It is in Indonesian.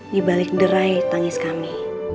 di balik gerai tangis kami